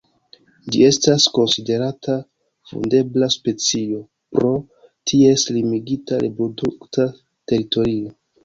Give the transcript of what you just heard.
Ĝi estas konsiderata vundebla specio pro ties limigita reprodukta teritorio.